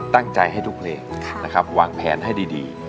ตั้งใจให้ทุกเพลงนะครับวางแผนให้ดี